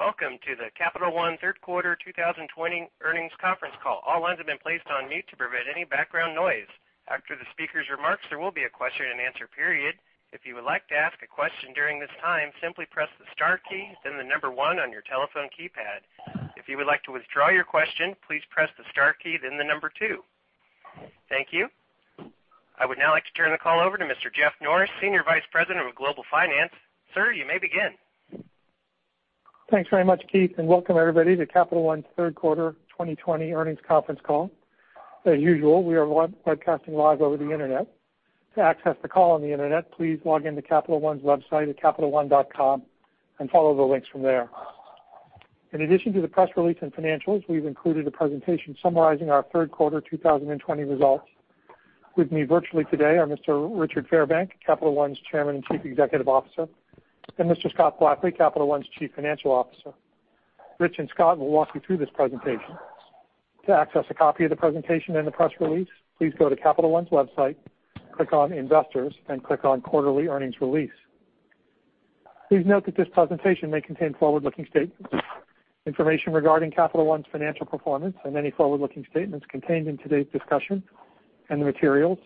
I would now like to turn the call over to Mr. Jeff Norris, Senior Vice President of Global Finance. Sir, you may begin. Thanks very much, Keith, welcome everybody to Capital One's third quarter 2020 earnings conference call. As usual, we are webcasting live over the Internet. To access the call on the Internet, please log into capitalone.com and follow the links from there. In addition to the press release and financials, we've included a presentation summarizing our third quarter 2020 results. With me virtually today are Mr. Richard Fairbank, Capital One's Chairman and Chief Executive Officer, and Mr. Scott Blackley, Capital One's Chief Financial Officer. Rich and Scott will walk you through this presentation. To access a copy of the presentation and the press release, please go to Capital One's website, click on Investors, and click on Quarterly Earnings Release. Please note that this presentation may contain forward-looking statements. Information regarding Capital One's financial performance and any forward-looking statements contained in today's discussion and the materials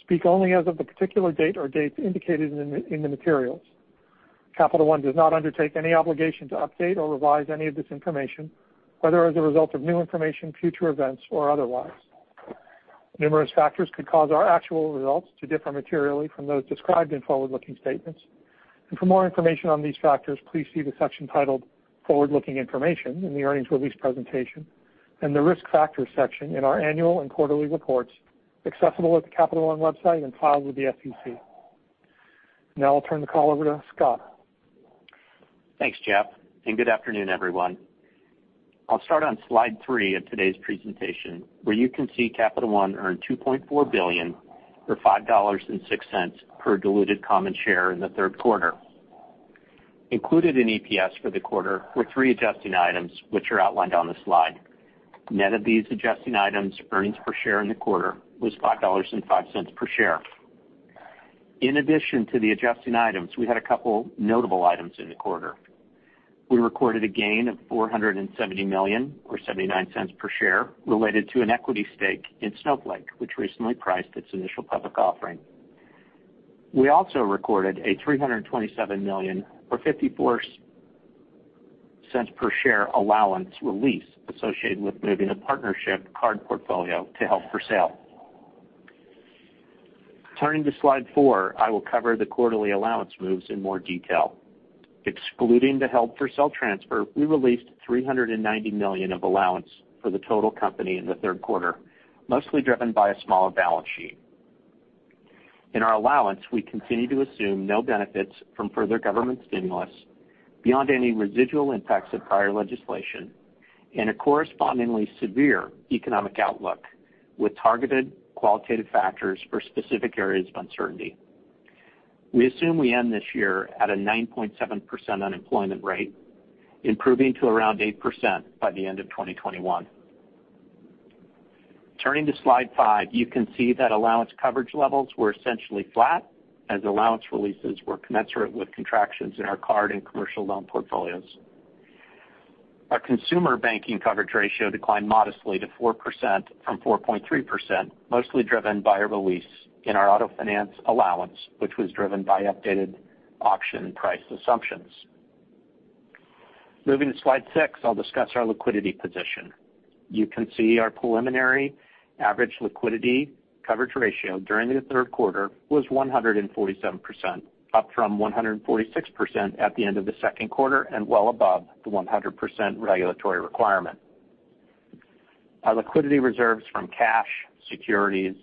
speak only as of the particular date or dates indicated in the materials. Capital One does not undertake any obligation to update or revise any of this information, whether as a result of new information, future events, or otherwise. Numerous factors could cause our actual results to differ materially from those described in forward-looking statements. For more information on these factors, please see the section titled Forward-Looking Information in the earnings release presentation and the Risk Factors section in our annual and quarterly reports, accessible at the Capital One website and filed with the SEC. Now I'll turn the call over to Scott. Thanks, Jeff. Good afternoon, everyone. I'll start on slide three of today's presentation, where you can see Capital One earned $2.4 billion, or $5.06 per diluted common share in the third quarter. Included in EPS for the quarter were three adjusting items, which are outlined on the slide. Net of these adjusting items, earnings per share in the quarter was $5.05 per share. In addition to the adjusting items, we had a couple notable items in the quarter. We recorded a gain of $470 million, or $0.79 per share, related to an equity stake in Snowflake, which recently priced its initial public offering. We also recorded a $327 million, or $0.54 per share, allowance release associated with moving a partnership card portfolio to held for sale. Turning to slide four, I will cover the quarterly allowance moves in more detail. Excluding the held for sale transfer, we released $390 million of allowance for the total company in the third quarter, mostly driven by a smaller balance sheet. In our allowance, we continue to assume no benefits from further government stimulus beyond any residual impacts of prior legislation and a correspondingly severe economic outlook with targeted qualitative factors for specific areas of uncertainty. We assume we end this year at a 9.7% unemployment rate, improving to around 8% by the end of 2021. Turning to slide five, you can see that allowance coverage levels were essentially flat as allowance releases were commensurate with contractions in our card and commercial loan portfolios. Our consumer banking coverage ratio declined modestly to 4% from 4.3%, mostly driven by a release in our auto finance allowance, which was driven by updated auction price assumptions. Moving to slide six, I'll discuss our liquidity position. You can see our preliminary average liquidity coverage ratio during the third quarter was 147%, up from 146% at the end of the second quarter and well above the 100% regulatory requirement. Our liquidity reserves from cash, securities,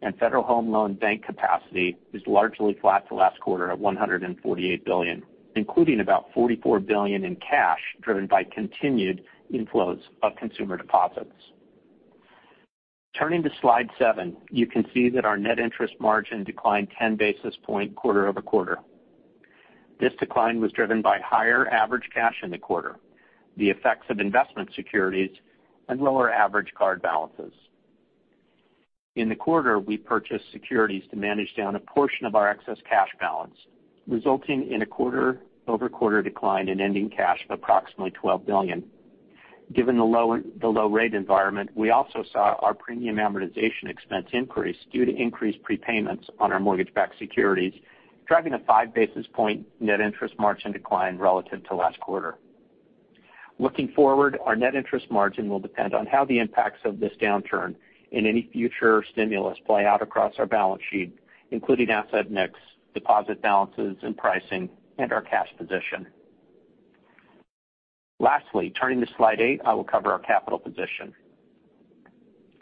and Federal Home Loan Bank capacity is largely flat to last quarter at $148 billion, including about $44 billion in cash driven by continued inflows of consumer deposits. Turning to slide seven, you can see that our net interest margin declined 10 basis point quarter-over-quarter. This decline was driven by higher average cash in the quarter, the effects of investment securities, and lower average card balances. In the quarter, we purchased securities to manage down a portion of our excess cash balance, resulting in a quarter-over-quarter decline in ending cash of approximately $12 billion. Given the low rate environment, we also saw our premium amortization expense increase due to increased prepayments on our mortgage-backed securities, driving a 5 basis point net interest margin decline relative to last quarter. Looking forward, our net interest margin will depend on how the impacts of this downturn and any future stimulus play out across our balance sheet, including asset mix, deposit balances and pricing, and our cash position. Lastly, turning to slide eight, I will cover our capital position.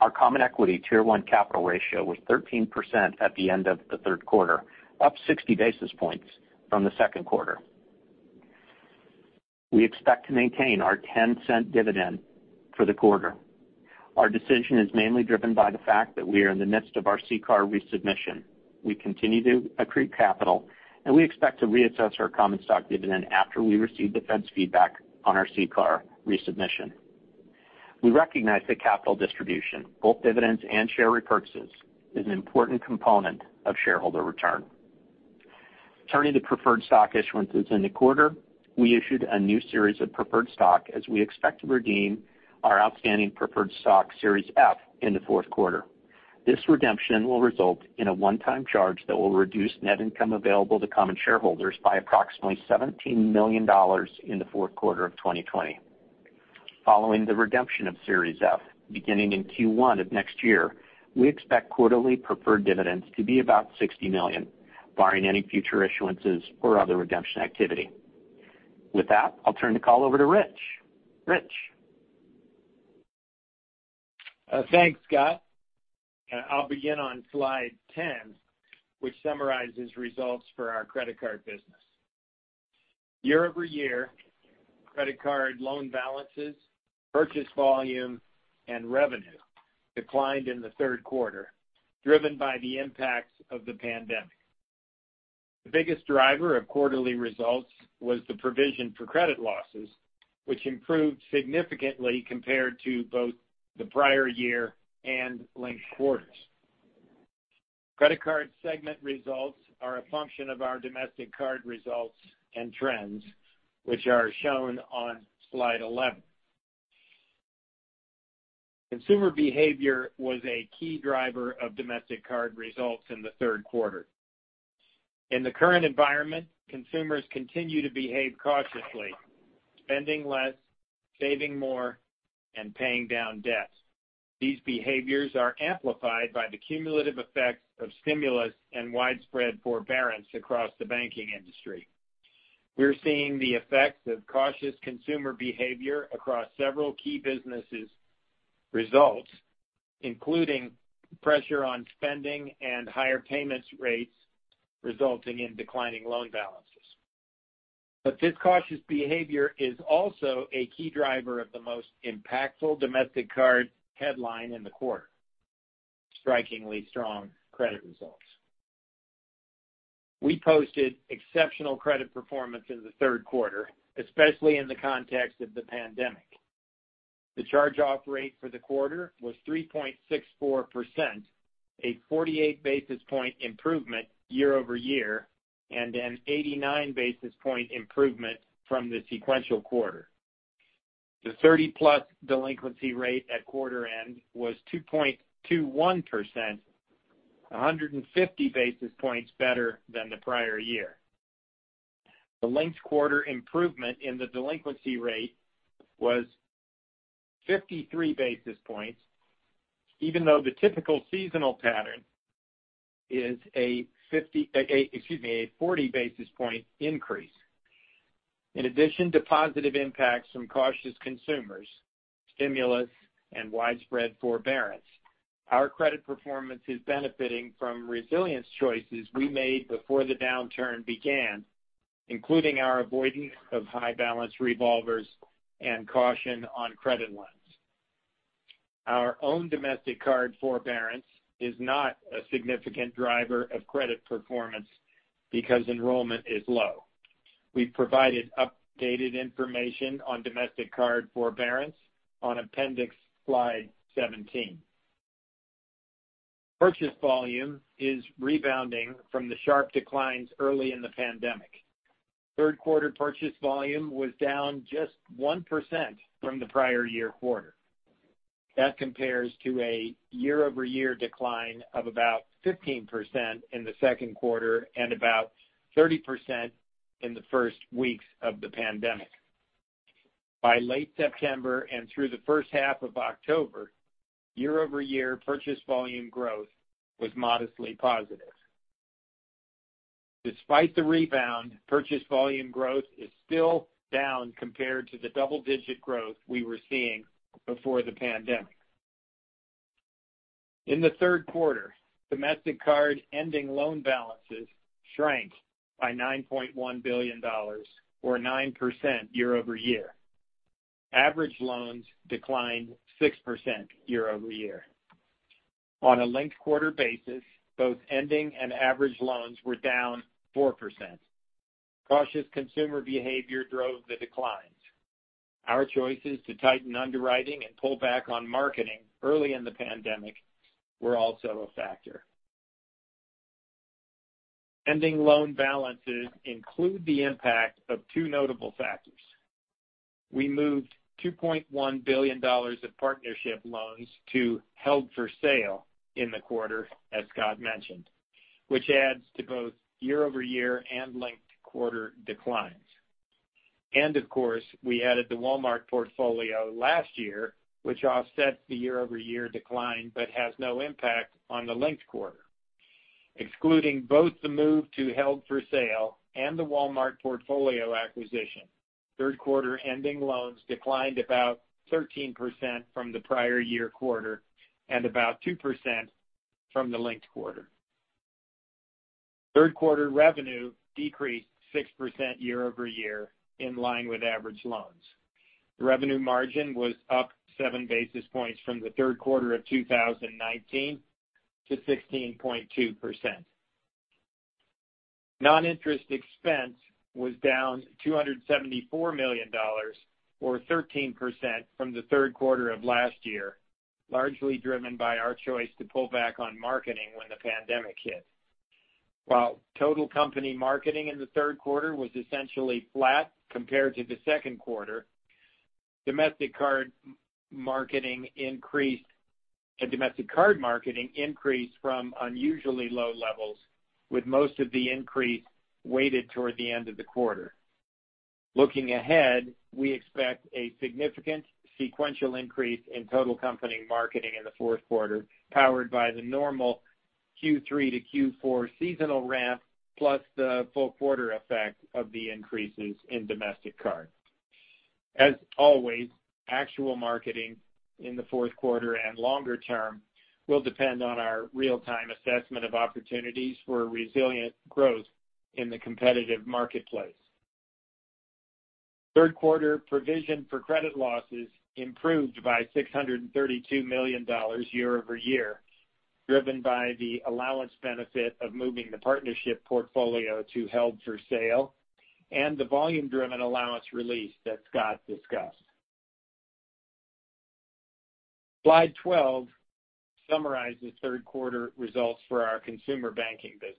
Our common equity Tier 1 capital ratio was 13% at the end of the third quarter, up 60 basis points from the second quarter. We expect to maintain our $0.10 dividend for the quarter. Our decision is mainly driven by the fact that we are in the midst of our CCAR resubmission. We continue to accrue capital, and we expect to reassess our common stock dividend after we receive the Fed's feedback on our CCAR resubmission. We recognize that capital distribution, both dividends and share repurchases, is an important component of shareholder return. Turning to preferred stock issuances in the quarter, we issued a new series of preferred stock as we expect to redeem our outstanding preferred stock Series F in the fourth quarter. This redemption will result in a one-time charge that will reduce net income available to common shareholders by approximately $17 million in the fourth quarter of 2020. Following the redemption of Series F, beginning in Q1 of next year, we expect quarterly preferred dividends to be about $60 million, barring any future issuances or other redemption activity. With that, I'll turn the call over to Rich. Rich? Thanks, Scott. I'll begin on slide 10, which summarizes results for our credit card business. Year-over-year, credit card loan balances, purchase volume, and revenue declined in the third quarter, driven by the impacts of the pandemic. The biggest driver of quarterly results was the provision for credit losses, which improved significantly compared to both the prior year and linked quarters. Credit card segment results are a function of our domestic card results and trends, which are shown on slide 11. Consumer behavior was a key driver of domestic card results in the third quarter. In the current environment, consumers continue to behave cautiously, spending less, saving more, and paying down debts. These behaviors are amplified by the cumulative effects of stimulus and widespread forbearance across the banking industry. We're seeing the effects of cautious consumer behavior across several key businesses' results, including pressure on spending and higher payments rates resulting in declining loan balances. This cautious behavior is also a key driver of the most impactful domestic card headline in the quarter, strikingly strong credit results. We posted exceptional credit performance in the third quarter, especially in the context of the pandemic. The charge-off rate for the quarter was 3.64%, a 48 basis point improvement year-over-year, and an 89 basis point improvement from the sequential quarter. The 30+ delinquency rate at quarter end was 2.21%, 150 basis points better than the prior year. The linked quarter improvement in the delinquency rate was 53 basis points, even though the typical seasonal pattern is a 40 basis point increase. In addition to positive impacts from cautious consumers, stimulus, and widespread forbearance, our credit performance is benefiting from resilience choices we made before the downturn began, including our avoidance of high balance revolvers and caution on credit lines. Our own domestic card forbearance is not a significant driver of credit performance because enrollment is low. We've provided updated information on domestic card forbearance on appendix slide 17. Purchase volume is rebounding from the sharp declines early in the pandemic. Third quarter purchase volume was down just 1% from the prior year quarter. That compares to a year-over-year decline of about 15% in the second quarter and about 30% in the first weeks of the pandemic. By late September and through the first half of October, year-over-year purchase volume growth was modestly positive. Despite the rebound, purchase volume growth is still down compared to the double-digit growth we were seeing before the pandemic. In the third quarter, domestic card ending loan balances shrank by $9.1 billion, or 9% year-over-year. Average loans declined 6% year-over-year. On a linked quarter basis, both ending and average loans were down 4%. Cautious consumer behavior drove the declines. Our choices to tighten underwriting and pull back on marketing early in the pandemic were also a factor. Ending loan balances include the impact of two notable factors. We moved $2.1 billion of partnership loans to held for sale in the quarter, as Scott mentioned, which adds to both year-over-year and linked quarter declines. Of course, we added the Walmart portfolio last year, which offsets the year-over-year decline, but has no impact on the linked quarter. Excluding both the move to held for sale and the Walmart portfolio acquisition, third quarter ending loans declined about 13% from the prior year quarter and about 2% from the linked quarter. Third quarter revenue decreased 6% year-over-year in line with average loans. The revenue margin was up 7 basis points from the third quarter of 2019 to 16.2%. Non-interest expense was down $274 million, or 13%, from the third quarter of last year, largely driven by our choice to pull back on marketing when the pandemic hit. While total company marketing in the third quarter was essentially flat compared to the second quarter, domestic card marketing increased from unusually low levels, with most of the increase weighted toward the end of the quarter. Looking ahead, we expect a significant sequential increase in total company marketing in the fourth quarter, powered by the normal Q3 to Q4 seasonal ramp, plus the full quarter effect of the increases in domestic card. As always, actual marketing in the fourth quarter and longer term will depend on our real-time assessment of opportunities for resilient growth in the competitive marketplace. Third quarter provision for credit losses improved by $632 million year-over-year, driven by the allowance benefit of moving the partnership portfolio to held for sale and the volume-driven allowance release that Scott discussed. Slide 12 summarizes third quarter results for our consumer banking business.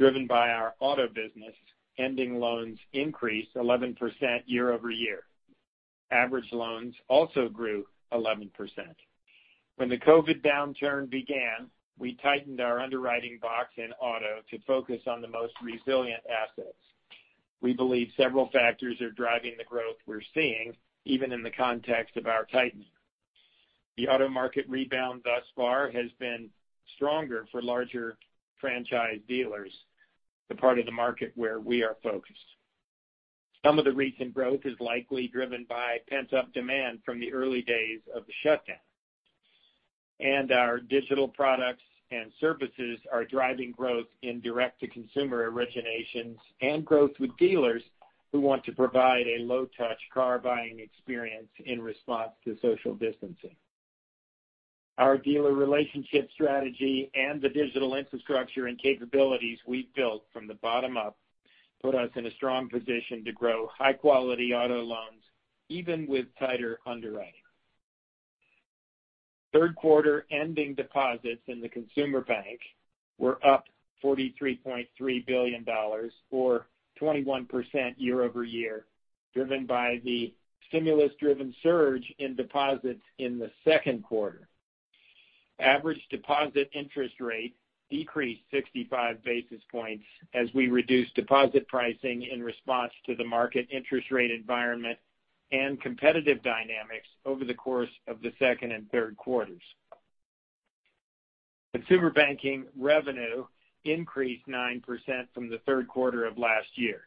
Driven by our auto business, ending loans increased 11% year-over-year. Average loans also grew 11%. When the COVID downturn began, we tightened our underwriting box and auto to focus on the most resilient assets. We believe several factors are driving the growth we're seeing, even in the context of our tightening. The auto market rebound thus far has been stronger for larger franchise dealers, the part of the market where we are focused. Some of the recent growth is likely driven by pent-up demand from the early days of the shutdown. Our digital products and services are driving growth in direct-to-consumer originations and growth with dealers who want to provide a low-touch car buying experience in response to social distancing. Our dealer relationship strategy and the digital infrastructure and capabilities we've built from the bottom up put us in a strong position to grow high-quality auto loans, even with tighter underwriting. Third quarter ending deposits in the consumer bank were up $43.3 billion, or 21% year-over-year, driven by the stimulus-driven surge in deposits in the second quarter. Average deposit interest rate decreased 65 basis points as we reduced deposit pricing in response to the market interest rate environment and competitive dynamics over the course of the second and third quarters. Consumer banking revenue increased 9% from the third quarter of last year.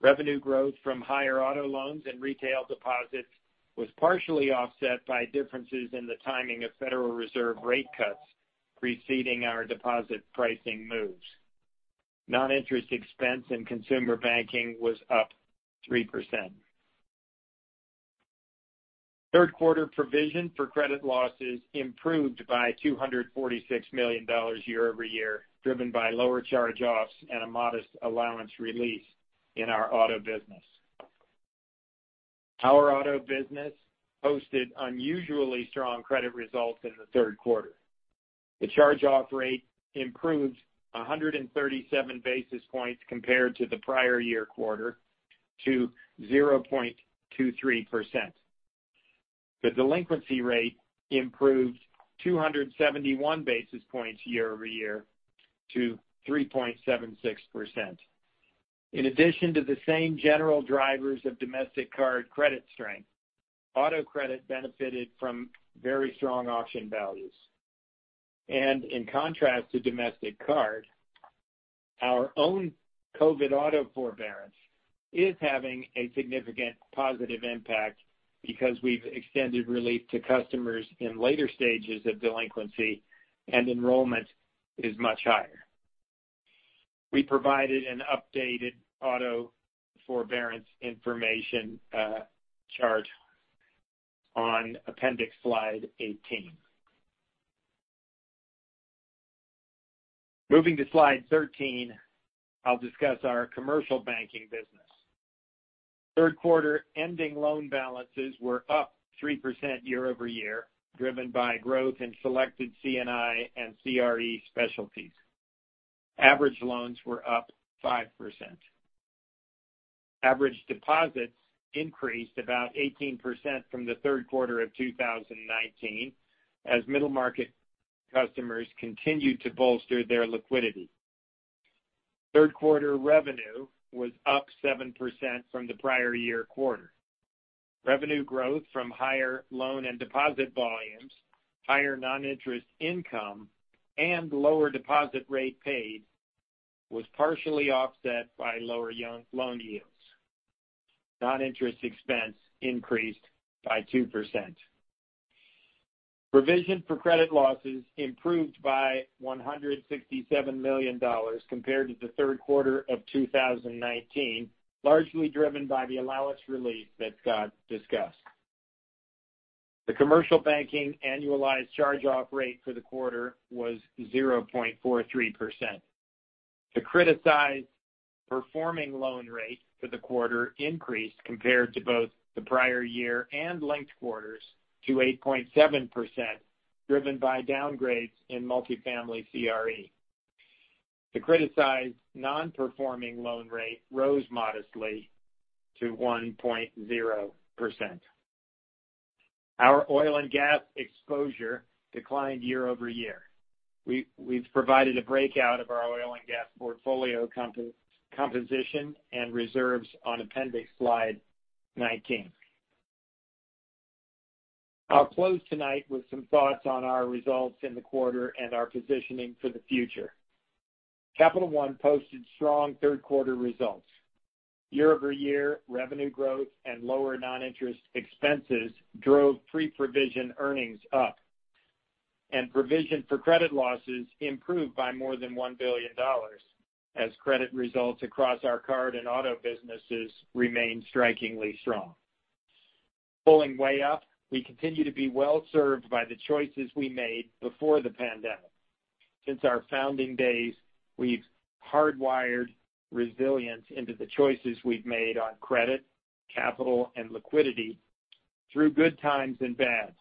Revenue growth from higher auto loans and retail deposits was partially offset by differences in the timing of Federal Reserve rate cuts preceding our deposit pricing moves. Non-interest expense in consumer banking was up 3%. Third quarter provision for credit losses improved by $246 million year-over-year, driven by lower charge-offs and a modest allowance release in our auto business. Our auto business posted unusually strong credit results in the third quarter. The charge-off rate improved 137 basis points compared to the prior year quarter to 0.23%. The delinquency rate improved 271 basis points year-over-year to 3.76%. In addition to the same general drivers of domestic card credit strength, auto credit benefited from very strong auction values. In contrast to domestic card, our own COVID auto forbearance is having a significant positive impact because we've extended relief to customers in later stages of delinquency and enrollment is much higher. We provided an updated auto forbearance information chart on appendix slide 18. Moving to slide 13, I'll discuss our commercial banking business. Third quarter ending loan balances were up 3% year-over-year, driven by growth in selected C&I and CRE specialties. Average loans were up 5%. Average deposits increased about 18% from the third quarter of 2019, as middle market customers continued to bolster their liquidity. Third quarter revenue was up 7% from the prior year quarter. Revenue growth from higher loan and deposit volumes, higher non-interest income, and lower deposit rate paid was partially offset by lower loan yields. Non-interest expense increased by 2%. Provision for credit losses improved by $167 million compared to the third quarter of 2019, largely driven by the allowance release that Scott discussed. The commercial banking annualized charge-off rate for the quarter was 0.43%. The criticized performing loan rate for the quarter increased compared to both the prior year and linked quarters to 8.7%, driven by downgrades in multifamily CRE. The criticized non-performing loan rate rose modestly to 1.0%. Our oil and gas exposure declined year-over-year. We've provided a breakout of our oil and gas portfolio composition and reserves on appendix slide 19. I'll close tonight with some thoughts on our results in the quarter and our positioning for the future. Capital One posted strong third quarter results. Year-over-year revenue growth and lower non-interest expenses drove pre-provision earnings up, and provision for credit losses improved by more than $1 billion, as credit results across our card and auto businesses remain strikingly strong. Pulling way up, we continue to be well-served by the choices we made before the Pandemic. Since our founding days, we've hardwired resilience into the choices we've made on credit, capital, and liquidity through good times and bad.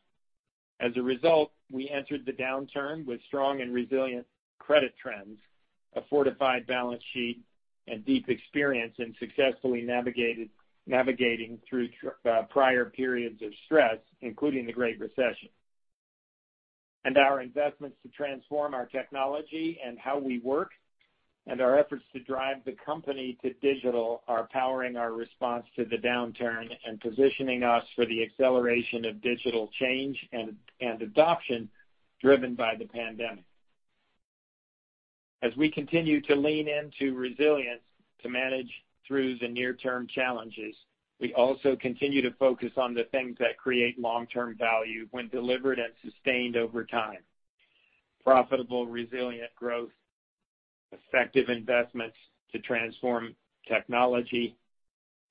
As a result, we entered the downturn with strong and resilient credit trends, a fortified balance sheet, and deep experience in successfully navigating through prior periods of stress, including the Great Recession. Our investments to transform our technology and how we work, and our efforts to drive the company to digital are powering our response to the downturn and positioning us for the acceleration of digital change and adoption driven by the Pandemic. As we continue to lean into resilience to manage through the near-term challenges, we also continue to focus on the things that create long-term value when delivered and sustained over time. Profitable, resilient growth, effective investments to transform technology,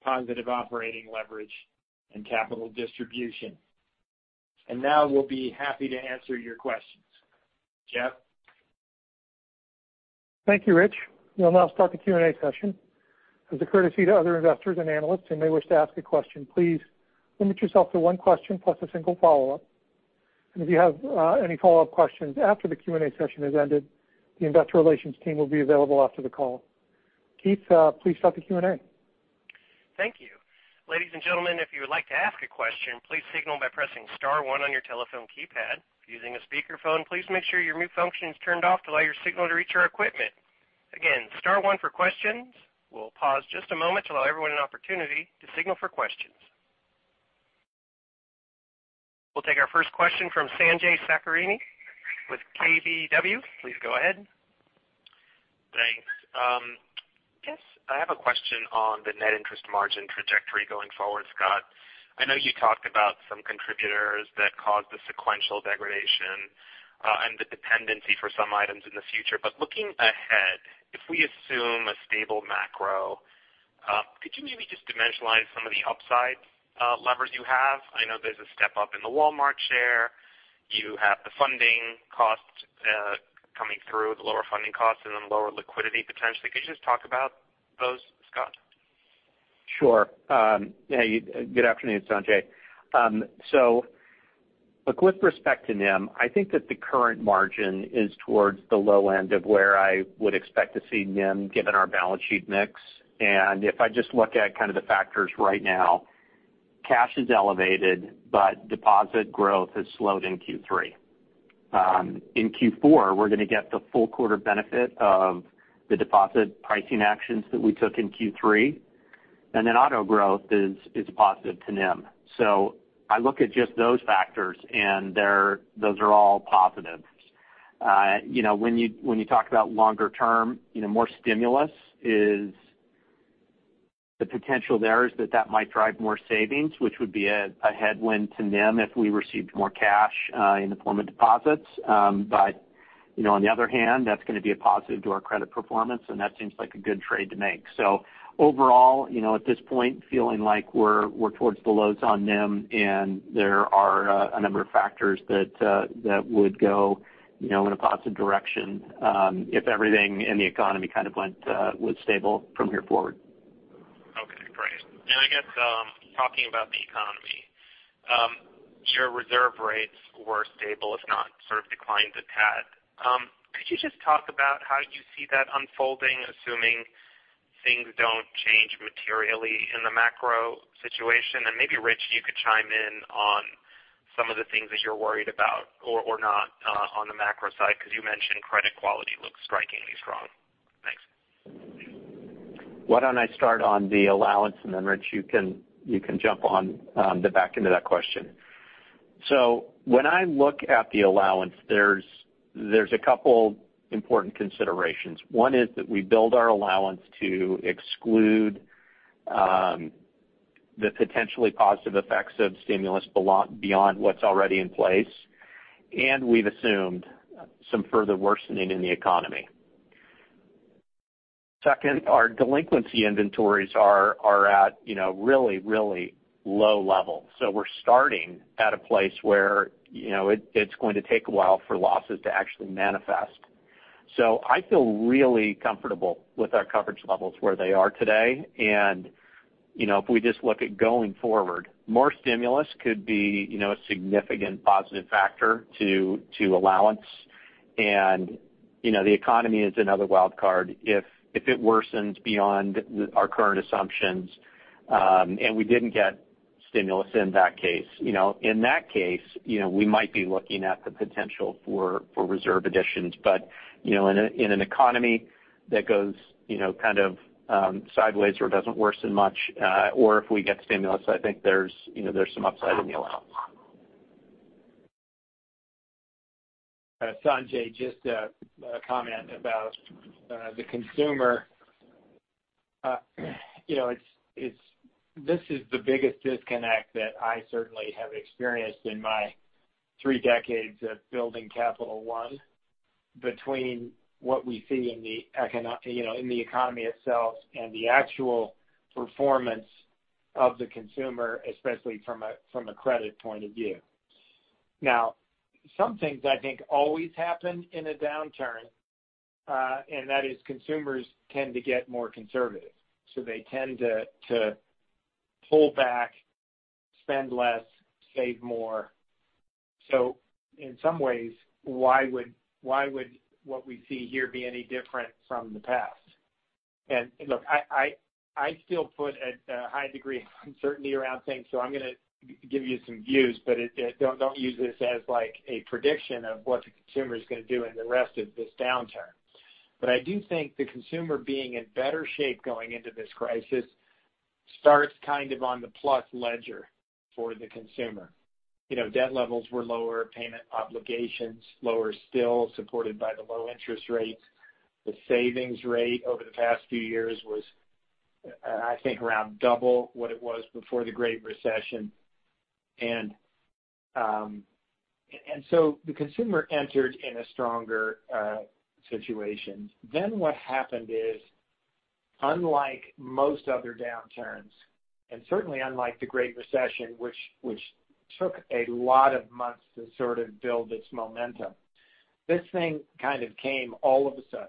positive operating leverage, and capital distribution. Now we'll be happy to answer your questions. Jeff? Thank you, Rich. We'll now start the Q&A session. As a courtesy to other investors and analysts who may wish to ask a question, please limit yourself to one question plus a single follow-up. If you have any follow-up questions after the Q&A session has ended, the investor relations team will be available after the call. Keith, please start the Q&A. Thank you. Ladies and gentlemen, if you would like to ask a question, please signal by pressing star one on your telephone keypad. Using a speakerphone, please make sure your mute function is turned off to allow your signal to reach our equipment. Again, star one for questions. We'll pause just a moment to allow everyone an opportunity to signal for question. We'll take our first question from Sanjay Sakhrani with KBW. Please go ahead. Thanks. I guess I have a question on the net interest margin trajectory going forward, Scott. I know you talked about some contributors that caused the sequential degradation and the dependency for some items in the future. Looking ahead, if we assume a stable macro, could you maybe just dimensionalize some of the upside levers you have? I know there's a step-up in the Walmart share. You have the funding cost coming through, the lower funding costs, lower liquidity potentially. Could you just talk about those, Scott? Sure. Good afternoon, Sanjay. With respect to NIM, I think that the current margin is towards the low end of where I would expect to see NIM given our balance sheet mix. If I just look at kind of the factors right now, cash is elevated, but deposit growth has slowed in Q3. In Q4, we're going to get the full quarter benefit of the deposit pricing actions that we took in Q3. Then auto growth is positive to NIM. I look at just those factors, and those are all positives. When you talk about longer term, more stimulus is the potential there is that that might drive more savings, which would be a headwind to NIM if we received more cash in the form of deposits. On the other hand, that's going to be a positive to our credit performance, and that seems like a good trade to make. Overall at this point, feeling like we're towards the lows on NIM and there are a number of factors that would go in a positive direction if everything in the economy kind of was stable from here forward. Okay, great. I guess talking about the economy, your reserve rates were stable, if not sort of declined a tad. Could you just talk about how you see that unfolding, assuming things don't change materially in the macro situation? Maybe, Rich, you could chime in on some of the things that you're worried about or not on the macro side, because you mentioned credit quality looks strikingly strong. Thanks. Why don't I start on the allowance and then Rich, you can jump on the back end of that question. When I look at the allowance, there's a couple important considerations. One is that we build our allowance to exclude the potentially positive effects of stimulus beyond what's already in place, and we've assumed some further worsening in the economy. Second, our delinquency inventories are at really low levels. We're starting at a place where it's going to take a while for losses to actually manifest. I feel really comfortable with our coverage levels where they are today. If we just look at going forward, more stimulus could be a significant positive factor to allowance, and the economy is another wild card. If it worsens beyond our current assumptions and we didn't get stimulus in that case, we might be looking at the potential for reserve additions. In an economy that goes kind of sideways or doesn't worsen much, or if we get stimulus, I think there's some upside in the allowance. Sanjay, just a comment about the consumer. This is the biggest disconnect that I certainly have experienced in my three decades of building Capital One between what we see in the economy itself and the actual performance of the consumer, especially from a credit point of view. Now, some things I think always happen in a downturn, that is consumers tend to get more conservative. They tend to pull back, spend less, save more. In some ways, why would what we see here be any different from the past? Look, I still put a high degree of uncertainty around things. I'm going to give you some views, but don't use this as a prediction of what the consumer's going to do in the rest of this downturn. I do think the consumer being in better shape going into this crisis starts kind of on the plus ledger for the consumer. Debt levels were lower, payment obligations lower still, supported by the low interest rates. The savings rate over the past few years was, I think, around double what it was before the Great Recession. The consumer entered in a stronger situation. What happened is, unlike most other downturns, and certainly unlike the Great Recession, which took a lot of months to sort of build its momentum, this thing kind of came all of a sudden,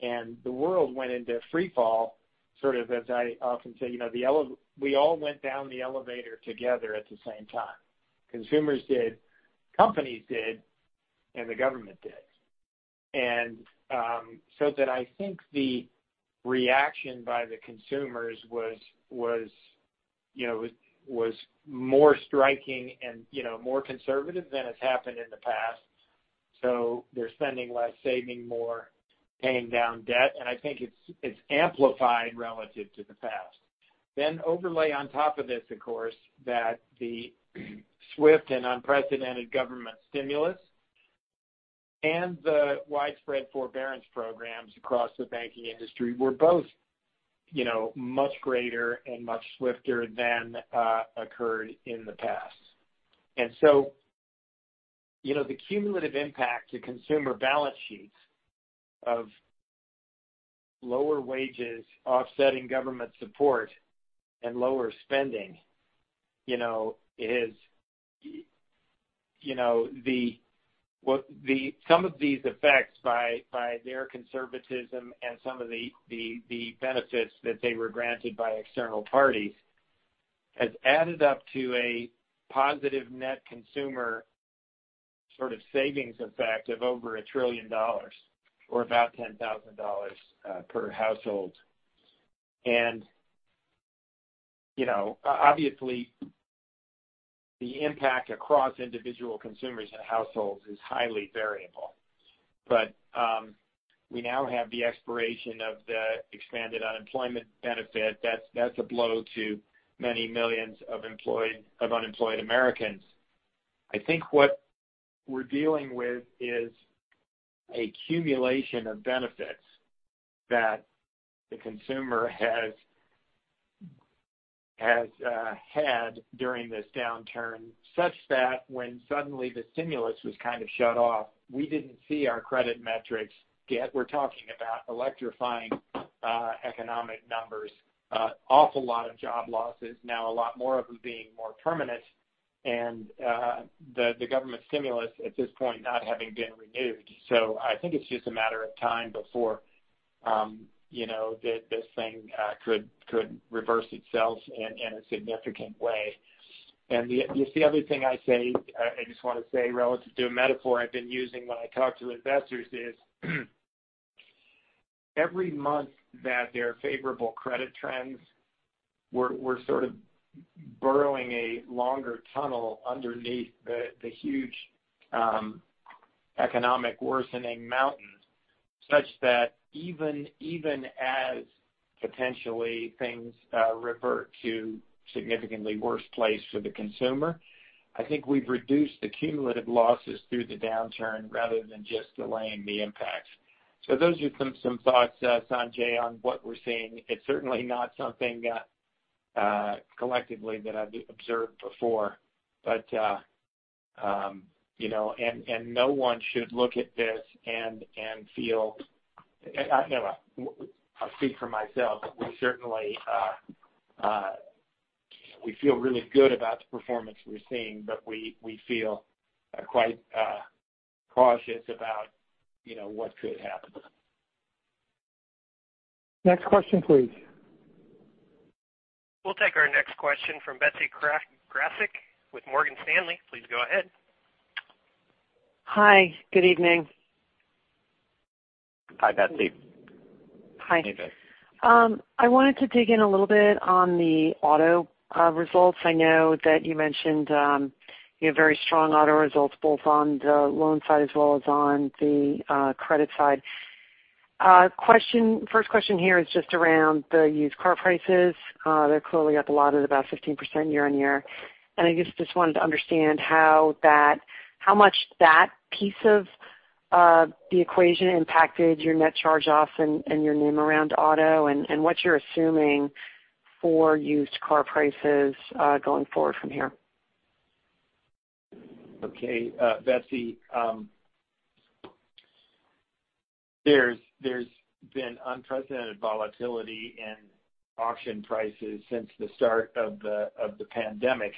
and the world went into free fall. As I often say, we all went down the elevator together at the same time. Consumers did, companies did, and the government did. Then I think the reaction by the consumers was more striking and more conservative than has happened in the past. They're spending less, saving more, paying down debt, and I think it's amplified relative to the past. Then overlay on top of this, of course, that the swift and unprecedented government stimulus and the widespread forbearance programs across the banking industry were both much greater and much swifter than occurred in the past. The cumulative impact to consumer balance sheets of lower wages offsetting government support and lower spending is some of these effects by their conservatism and some of the benefits that they were granted by external parties has added up to a positive net consumer sort of savings effect of over $1 trillion or about $10,000 per household. Obviously, the impact across individual consumers and households is highly variable. We now have the expiration of the expanded unemployment benefit. That's a blow to many millions of unemployed Americans. I think what we're dealing with is a accumulation of benefits that the consumer has had during this downturn, such that when suddenly the stimulus was kind of shut off, we didn't see our credit metrics. We're talking about electrifying economic numbers. An awful lot of job losses, now a lot more of them being more permanent, and the government stimulus at this point not having been renewed. I think it's just a matter of time before this thing could reverse itself in a significant way. The other thing I say, I just want to say relative to a metaphor I've been using when I talk to investors is every month that there are favorable credit trends, we're sort of burrowing a longer tunnel underneath the huge economic worsening mountain, such that even as potentially things revert to significantly worse place for the consumer, I think we've reduced the cumulative losses through the downturn rather than just delaying the impact. Those are some thoughts, Sanjay, on what we're seeing. It's certainly not something collectively that I've observed before. No one should look at this and feel. I'll speak for myself. We feel really good about the performance we're seeing, but we feel quite cautious about what could happen. Next question, please. We'll take our next question from Betsy Graseck with Morgan Stanley. Please go ahead. Hi, good evening. Hi, Betsy. Hi. Hey, Betsy. I wanted to dig in a little bit on the auto results. I know that you mentioned you have very strong auto results both on the loan side as well as on the credit side. First question here is just around the used car prices. They're clearly up a lot at about 15% year-on-year. I guess just wanted to understand how much that piece of the equation impacted your net charge-offs and your NIM around auto and what you're assuming for used car prices going forward from here. Okay. Betsy, there's been unprecedented volatility in auction prices since the start of the pandemic.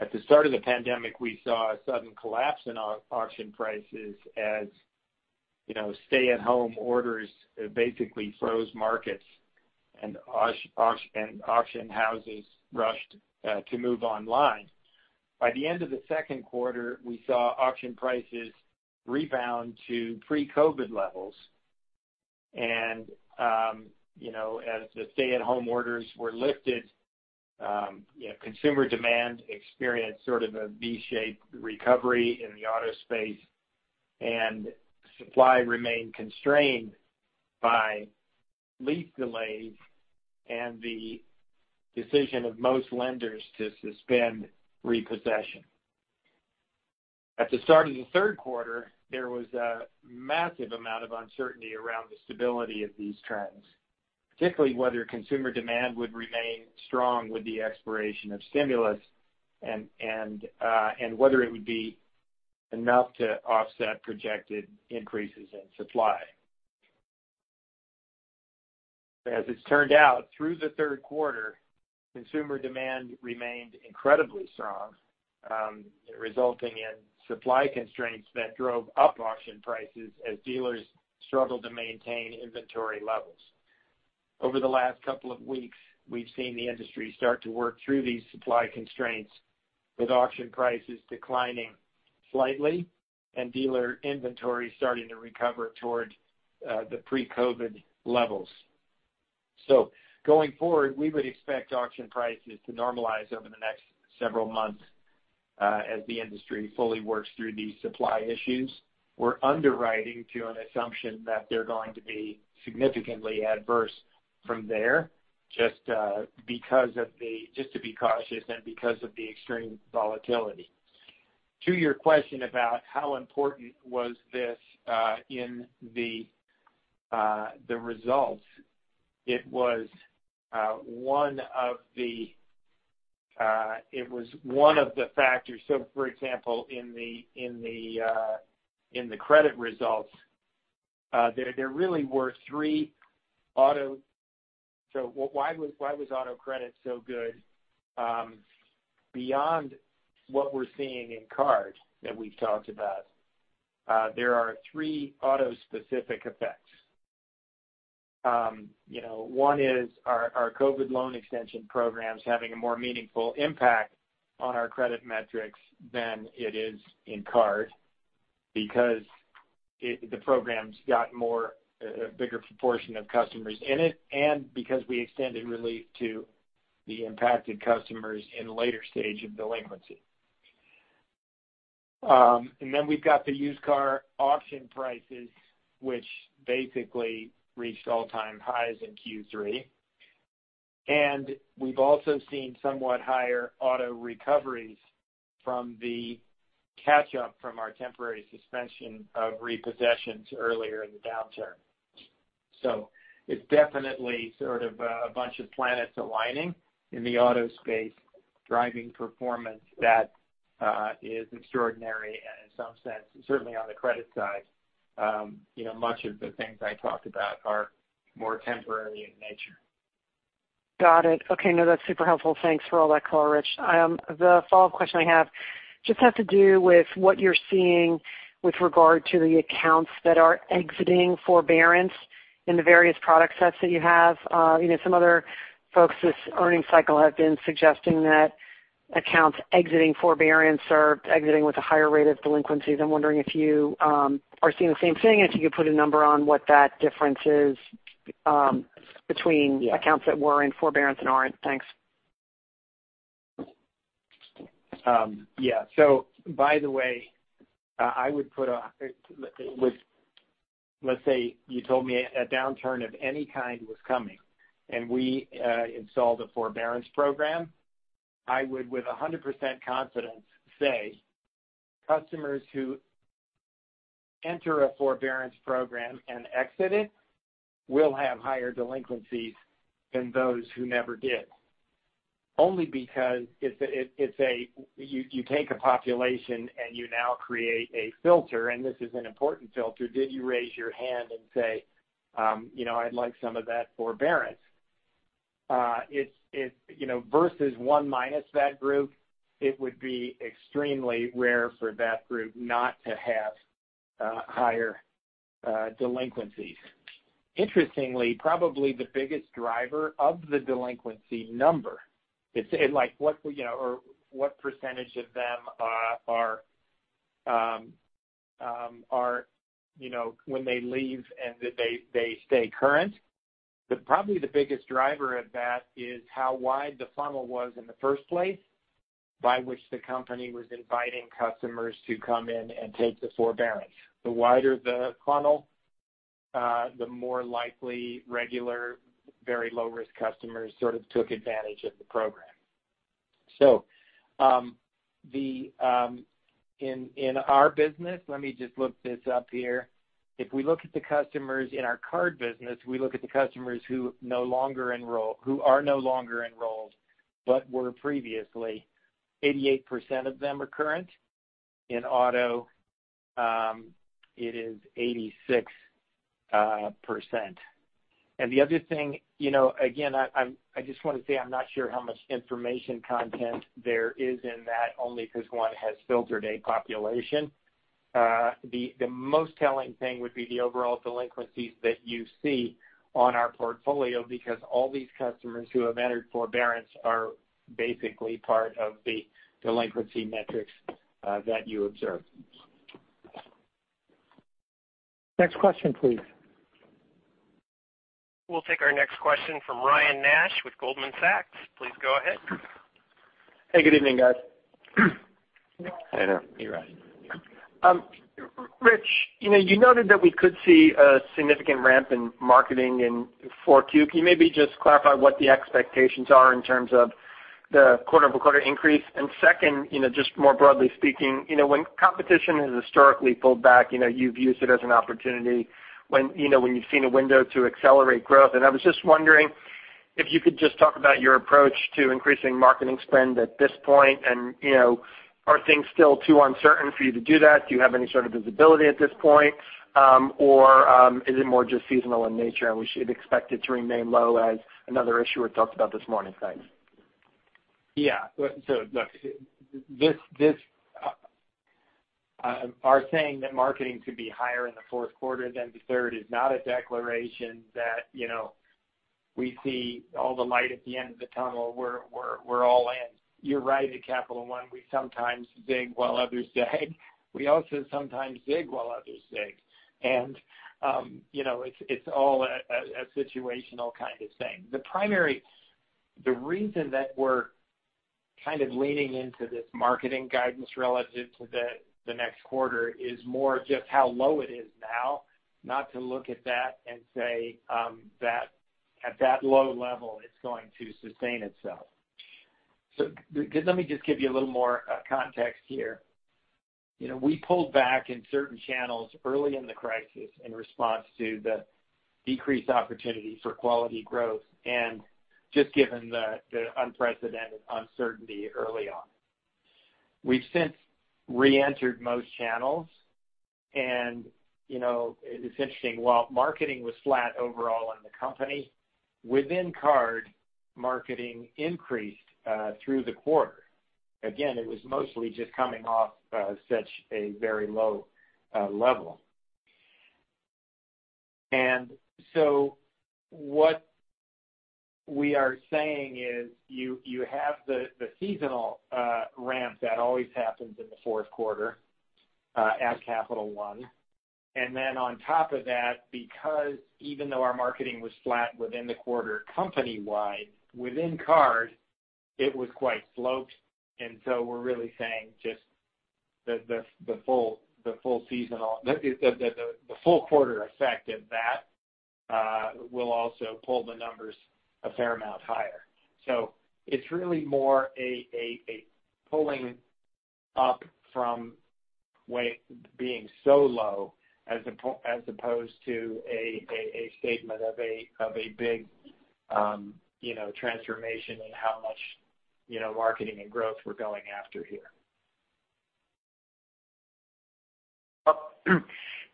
At the start of the pandemic, we saw a sudden collapse in auction prices as stay-at-home orders basically froze markets and auction houses rushed to move online. By the end of the second quarter, we saw auction prices rebound to pre-COVID levels. As the stay-at-home orders were lifted, consumer demand experienced sort of a V-shaped recovery in the auto space and supply remained constrained by lease delays and the decision of most lenders to suspend repossession. At the start of the third quarter, there was a massive amount of uncertainty around the stability of these trends. Particularly whether consumer demand would remain strong with the expiration of stimulus and whether it would be enough to offset projected increases in supply. As it's turned out, through the third quarter, consumer demand remained incredibly strong, resulting in supply constraints that drove up auction prices as dealers struggled to maintain inventory levels. Over the last couple of weeks, we've seen the industry start to work through these supply constraints, with auction prices declining slightly and dealer inventory starting to recover toward the pre-COVID levels. Going forward, we would expect auction prices to normalize over the next several months as the industry fully works through these supply issues. We're underwriting to an assumption that they're going to be significantly adverse from there just to be cautious and because of the extreme volatility. To your question about how important was this in the results, it was one of the factors. For example, in the credit results there really were three. Why was auto credit so good? Beyond what we're seeing in cards that we've talked about, there are three auto-specific effects. One is our COVID loan extension programs having a more meaningful impact on our credit metrics than it is in cards because the program's got a bigger proportion of customers in it, and because we extended relief to the impacted customers in later stage of delinquency. Then we've got the used car auction prices, which basically reached all-time highs in Q3. We've also seen somewhat higher auto recoveries from the catch-up from our temporary suspension of repossessions earlier in the downturn. It's definitely sort of a bunch of planets aligning in the auto space, driving performance that is extraordinary and in some sense, certainly on the credit side much of the things I talked about are more temporary in nature. Got it. Okay. No, that's super helpful. Thanks for all that color, Rich. The follow-up question I have just has to do with what you're seeing with regard to the accounts that are exiting forbearance in the various product sets that you have. Some other folks this earnings cycle have been suggesting that accounts exiting forbearance are exiting with a higher rate of delinquencies. I'm wondering if you are seeing the same thing and if you could put a number on what that difference is between accounts that were in forbearance and aren't. Thanks. Yeah. By the way, let's say you told me a downturn of any kind was coming and we installed a forbearance program. I would, with 100% confidence, say customers who enter a forbearance program and exit it will have higher delinquencies than those who never did. Only because you take a population and you now create a filter, and this is an important filter. Did you raise your hand and say, "I'd like some of that forbearance"? Versus 1- that group, it would be extremely rare for that group not to have higher delinquencies. Interestingly, probably the biggest driver of the delinquency number, or what percentage of them when they leave and they stay current. Probably the biggest driver of that is how wide the funnel was in the first place, by which the company was inviting customers to come in and take the forbearance. The wider the funnel, the more likely regular, very low-risk customers sort of took advantage of the program. In our business, let me just look this up here. If we look at the customers in our card business, we look at the customers who are no longer enrolled but were previously, 88% of them are current. In auto, it is 86%. The other thing, again, I just want to say, I'm not sure how much information content there is in that, only because one has filtered a population. The most telling thing would be the overall delinquencies that you see on our portfolio, because all these customers who have entered forbearance are basically part of the delinquency metrics that you observe. Next question, please. We'll take our next question from Ryan Nash with Goldman Sachs. Please go ahead. Hey, good evening, guys. Hey there. Hey, Ryan. Rich, you noted that we could see a significant ramp in marketing in 4Q. Can you maybe just clarify what the expectations are in terms of the quarter-over-quarter increase? Second, just more broadly speaking, when competition has historically pulled back, you've used it as an opportunity when you've seen a window to accelerate growth. I was just wondering if you could just talk about your approach to increasing marketing spend at this point. Are things still too uncertain for you to do that? Do you have any sort of visibility at this point? Is it more just seasonal in nature, and we should expect it to remain low as another issue we talked about this morning? Thanks. Yeah. Look, our saying that marketing could be higher in the fourth quarter than the third is not a declaration that we see all the light at the end of the tunnel. We're all in. You're right. At Capital One, we sometimes zig while others zag. We also sometimes zig while others zig. It's all a situational kind of thing. The reason that we're kind of leaning into this marketing guidance relative to the next quarter is more just how low it is now. Not to look at that and say that at that low level, it's going to sustain itself. Let me just give you a little more context here. We pulled back in certain channels early in the crisis in response to the decreased opportunity for quality growth and just given the unprecedented uncertainty early on. We've since re-entered most channels. It's interesting. While marketing was flat overall in the company, within card, marketing increased through the quarter. Again, it was mostly just coming off such a very low level. What we are saying is you have the seasonal ramp that always happens in the fourth quarter at Capital One. Then on top of that, because even though our marketing was flat within the quarter company-wide, within card, it was quite sloped. We're really saying just the full quarter effect of that will also pull the numbers a fair amount higher. It's really more a pulling up from being so low as opposed to a statement of a big transformation in how much marketing and growth we're going after here.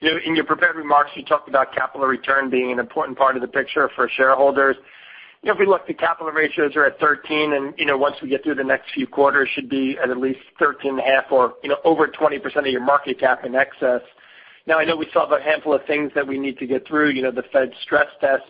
In your prepared remarks, you talked about capital return being an important part of the picture for shareholders. If we look, the capital ratios are at 13%, and once we get through the next few quarters, should be at least 13.5% or over 20% of your market cap in excess. I know we still have a handful of things that we need to get through, the Fed stress test.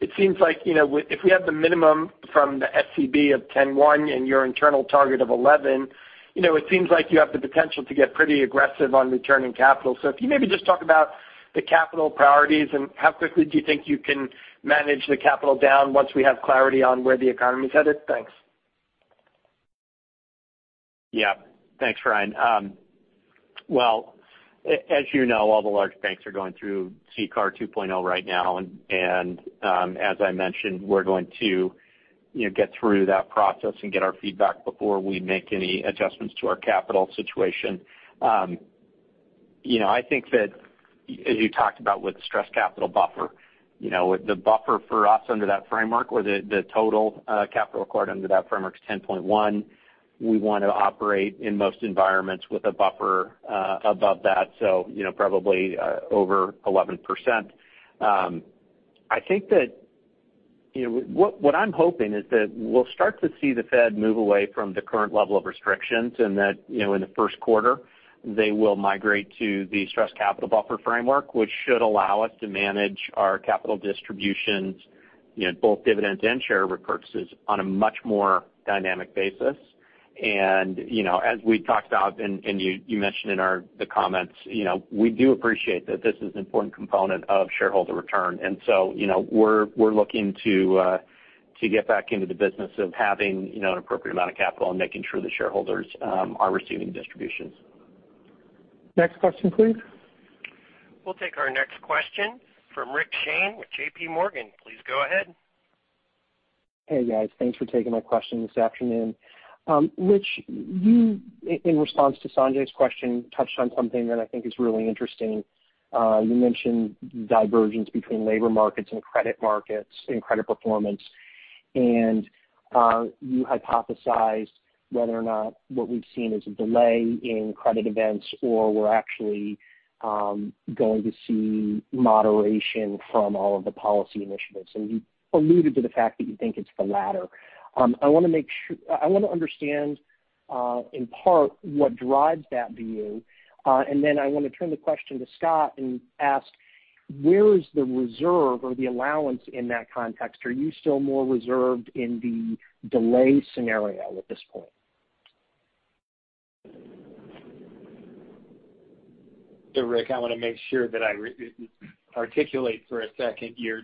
It seems like if we have the minimum from the SCB of 10.1% and your internal target of 11%, it seems like you have the potential to get pretty aggressive on returning capital. If you maybe just talk about the capital priorities and how quickly do you think you can manage the capital down once we have clarity on where the economy's headed? Thanks. Yeah. Thanks, Ryan. Well, as you know, all the large banks are going through CCAR 2.0 right now. As I mentioned, we're going to get through that process and get our feedback before we make any adjustments to our capital situation. I think that as you talked about with the stress capital buffer, the buffer for us under that framework or the total capital required under that framework is 10.1%. We want to operate in most environments with a buffer above that. Probably over 11%. I think that what I'm hoping is that we'll start to see the Fed move away from the current level of restrictions and that in the first quarter, they will migrate to the stress capital buffer framework, which should allow us to manage our capital distributions, both dividends and share repurchases, on a much more dynamic basis. As we talked about and you mentioned in the comments, we do appreciate that this is an important component of shareholder return. We're looking to get back into the business of having an appropriate amount of capital and making sure the shareholders are receiving distributions. Next question, please. We'll take our next question from Rick Shane with JPMorgan. Please go ahead. Hey, guys. Thanks for taking my question this afternoon. Rich, you, in response to Sanjay's question, touched on something that I think is really interesting. You mentioned divergence between labor markets and credit markets and credit performance. You hypothesized whether or not what we've seen is a delay in credit events, or we're actually going to see moderation from all of the policy initiatives. You alluded to the fact that you think it's the latter. I want to understand, in part, what drives that view. I want to turn the question to Scott and ask, where is the reserve or the allowance in that context? Are you still more reserved in the delay scenario at this point? Rick, I want to articulate for a second your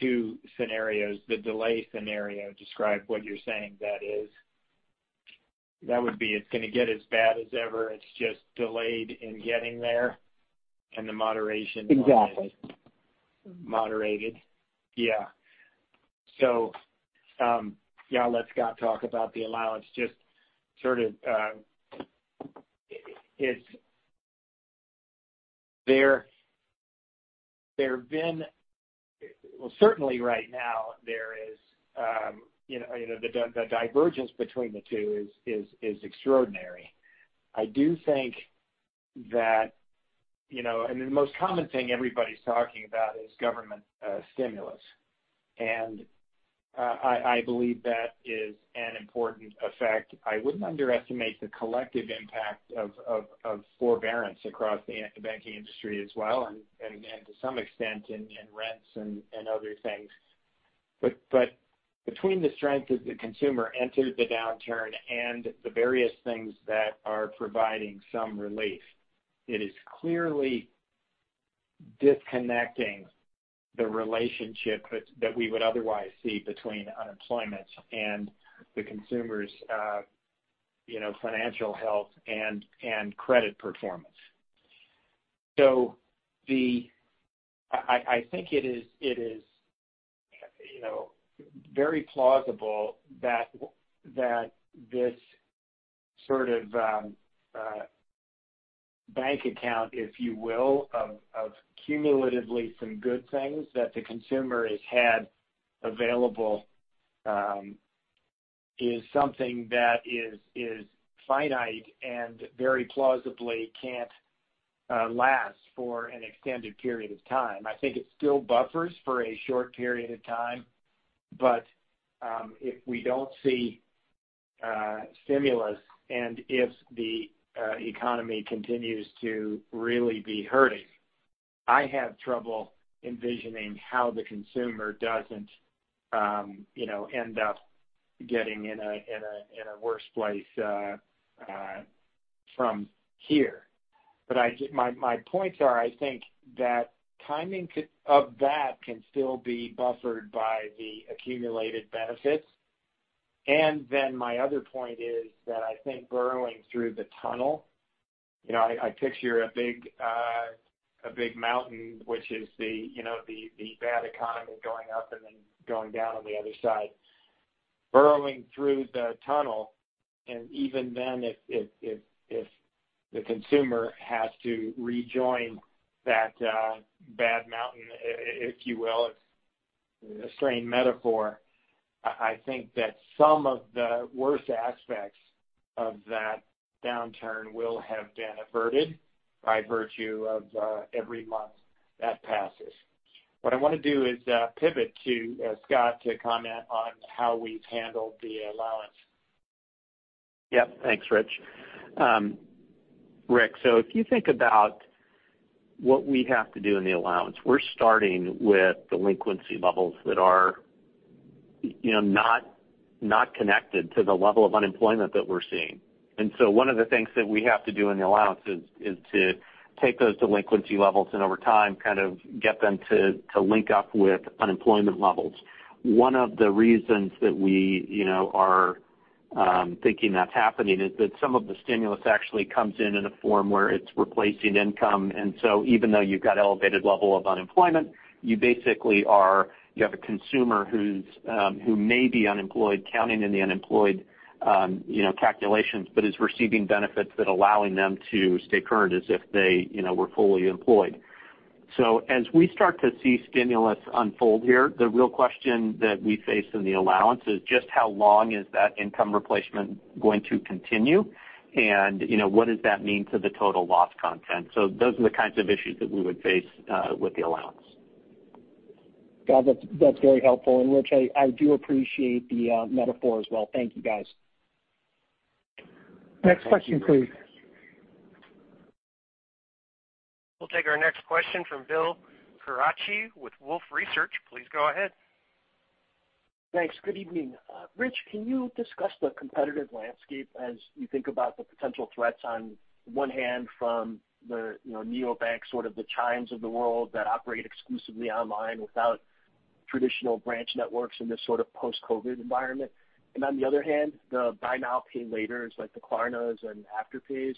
two scenarios. The delay scenario, describe what you're saying that is. That would be it's going to get as bad as ever, it's just delayed in getting there? And the moderation- Exactly moderated. I'll let Scott talk about the allowance. Well, certainly right now, the divergence between the two is extraordinary. I do think the most common thing everybody's talking about is government stimulus. I believe that is an important effect. I wouldn't underestimate the collective impact of forbearance across the banking industry as well, and to some extent in rents and other things. Between the strength as the consumer entered the downturn and the various things that are providing some relief, it is clearly disconnecting the relationship that we would otherwise see between unemployment and the consumer's financial health and credit performance. I think it is very plausible that this sort of bank account, if you will, of cumulatively some good things that the consumer has had available is something that is finite and very plausibly can't last for an extended period of time. I think it still buffers for a short period of time. If we don't see stimulus and if the economy continues to really be hurting, I have trouble envisioning how the consumer doesn't end up getting in a worse place from here. My points are, I think that timing of that can still be buffered by the accumulated benefits. My other point is that I think burrowing through the tunnel. I picture a big mountain, which is the bad economy going up and then going down on the other side. Burrowing through the tunnel, and even then if the consumer has to rejoin that bad mountain, if you will, it's a strange metaphor, I think that some of the worst aspects of that downturn will have been averted by virtue of every month that passes. What I want to do is pivot to Scott to comment on how we've handled the allowance. Yeah. Thanks, Rich. Rick, if you think about what we have to do in the allowance, we're starting with delinquency levels that are not connected to the level of unemployment that we're seeing. One of the things that we have to do in the allowance is to take those delinquency levels and over time, kind of get them to link up with unemployment levels. One of the reasons that I'm thinking that's happening is that some of the stimulus actually comes in a form where it's replacing income. Even though you've got elevated level of unemployment, you basically have a consumer who may be unemployed, counting in the unemployed calculations, but is receiving benefits that allowing them to stay current as if they were fully employed. As we start to see stimulus unfold here, the real question that we face in the allowance is just how long is that income replacement going to continue? What does that mean to the total loss content? Those are the kinds of issues that we would face with the allowance. Got it. That's very helpful. Rich, I do appreciate the metaphor as well. Thank you, guys. Thank you. Next question, please. We'll take our next question from Bill Carcache with Wolfe Research. Please go ahead. Thanks. Good evening. Rich, can you discuss the competitive landscape as you think about the potential threats on one hand from the neobanks, sort of the Chime of the world that operate exclusively online without traditional branch networks in this sort of post-COVID environment? On the other hand, the buy now, pay laters like the Klarna and Afterpay,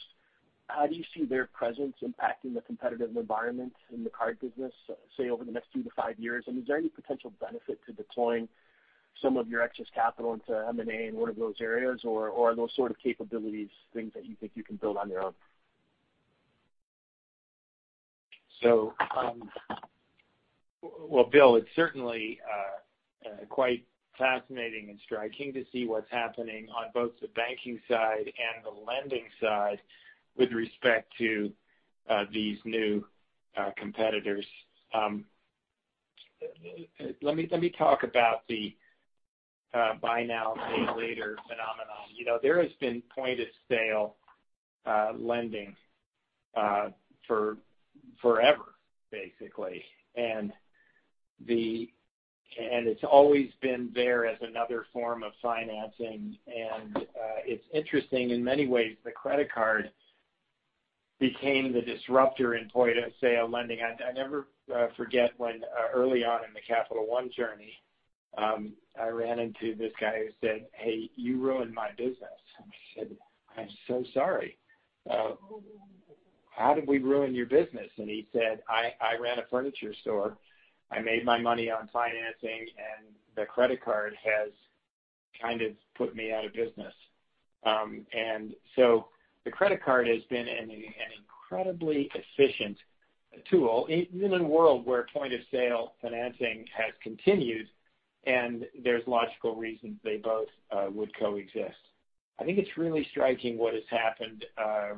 how do you see their presence impacting the competitive environment in the card business, say, over the next two to five years? Is there any potential benefit to deploying some of your excess capital into M&A in one of those areas? Or are those sort of capabilities things that you think you can build on your own? Well, Bill, it's certainly quite fascinating and striking to see what's happening on both the banking side and the lending side with respect to these new competitors. Let me talk about the buy now, pay later phenomenon. There has been point-of-sale lending for forever, basically. It's always been there as another form of financing. It's interesting in many ways, the credit card became the disruptor in point-of-sale lending. I never forget when early on in the Capital One journey, I ran into this guy who said, "Hey, you ruined my business." I said, "I'm so sorry. How did we ruin your business?" He said, "I ran a furniture store. I made my money on financing, and the credit card has kind of put me out of business. The credit card has been an incredibly efficient tool in a world where point-of-sale financing has continued, and there's logical reasons they both would coexist. I think it's really striking what has happened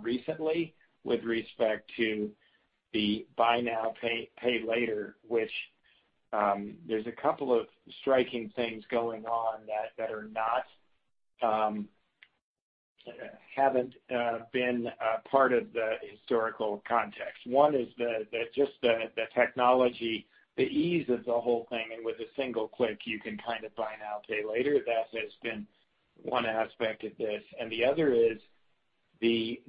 recently with respect to the buy now, pay later, which there's a couple of striking things going on that haven't been a part of the historical context. One is just the technology, the ease of the whole thing, and with a single click, you can kind of buy now, pay later. That has been one aspect of this. The other is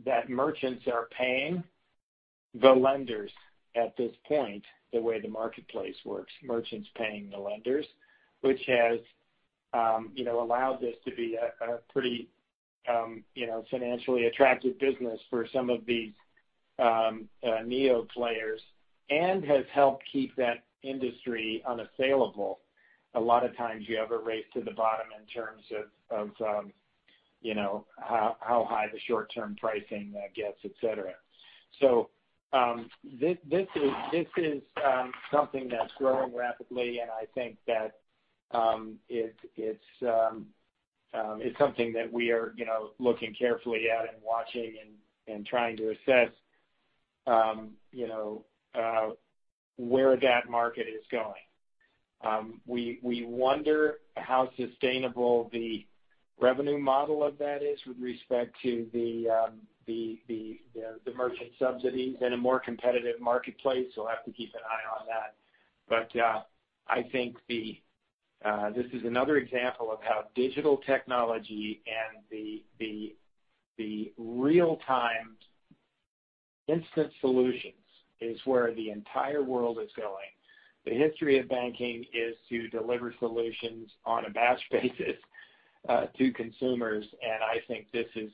that merchants are paying the lenders at this point, the way the marketplace works. Merchants paying the lenders, which has allowed this to be a pretty financially attractive business for some of these neo players and has helped keep that industry unassailable. A lot of times you have a race to the bottom in terms of how high the short-term pricing gets, et cetera. This is something that's growing rapidly, and I think that it's something that we are looking carefully at and watching and trying to assess where that market is going. We wonder how sustainable the revenue model of that is with respect to the merchant subsidies in a more competitive marketplace. We'll have to keep an eye on that. I think this is another example of how digital technology and the real-time instant solutions is where the entire world is going. The history of banking is to deliver solutions on a batch basis to consumers. I think this is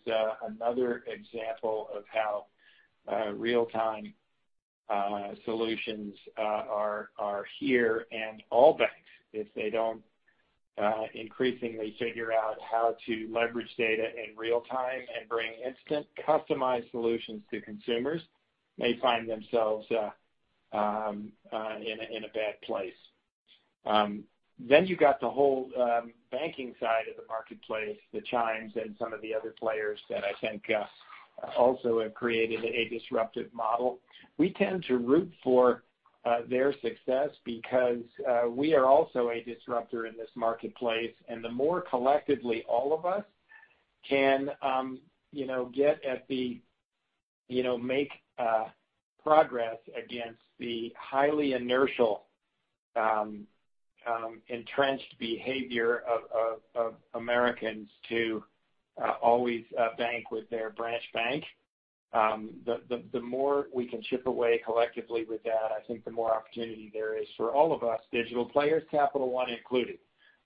another example of how real-time solutions are here. All banks, if they don't increasingly figure out how to leverage data in real time and bring instant customized solutions to consumers, may find themselves in a bad place. You've got the whole banking side of the marketplace, the Chime and some of the other players that I think also have created a disruptive model. We tend to root for their success because we are also a disruptor in this marketplace. The more collectively all of us can make progress against the highly inertial entrenched behavior of Americans to always bank with their branch bank. The more we can chip away collectively with that, I think the more opportunity there is for all of us digital players, Capital One included.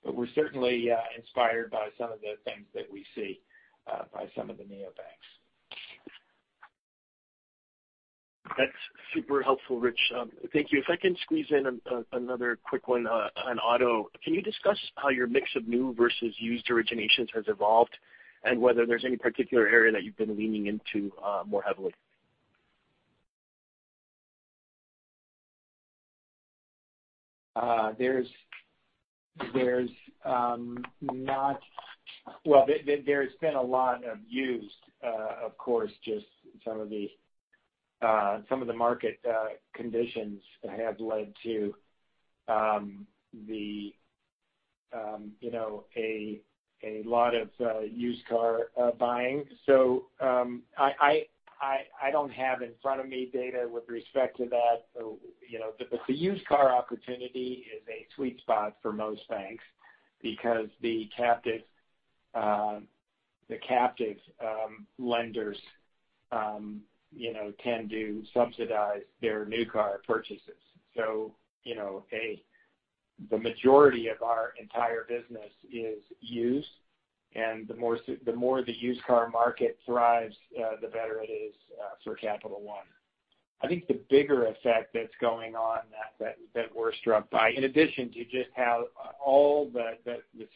We're certainly inspired by some of the things that we see by some of the neobanks. That's super helpful, Rich. Thank you. If I can squeeze in another quick one on auto. Can you discuss how your mix of new versus used originations has evolved and whether there's any particular area that you've been leaning into more heavily? There's been a lot of used, of course, just some of the market conditions have led to a lot of used car buying. I don't have in front of me data with respect to that. The used car opportunity is a sweet spot for most banks because the captive lenders tend to subsidize their new car purchases. A, the majority of our entire business is used, and the more the used car market thrives, the better it is for Capital One. I think the bigger effect that's going on that we're struck by, in addition to just how all the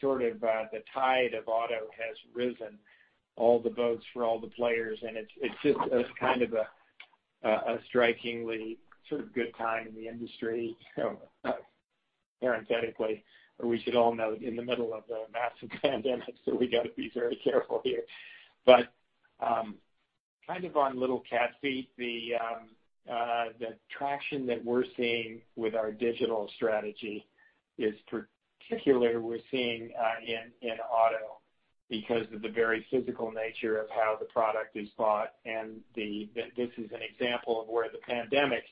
sort of the tide of auto has risen all the boats for all the players, and it's just a kind of a strikingly sort of good time in the industry. Parenthetically, we should all note in the middle of a massive pandemic, so we got to be very careful here. Kind of on little cat feet, the traction that we're seeing with our digital strategy is particularly we're seeing in auto because of the very physical nature of how the product is bought. This is an example of where the pandemic